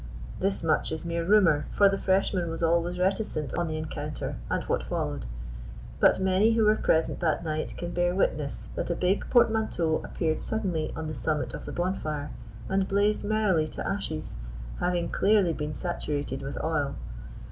This much is mere rumour; for the freshman was always reticent on the encounter, and what followed. But many who were present that night can bear witness that a big portmanteau appeared suddenly on the summit of the bonfire, and blazed merrily to ashes, having clearly been saturated with oil.